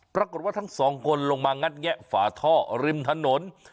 ปรากฏว่าทั้งสองคนลงมางัดแงะฝาท่อริมถนน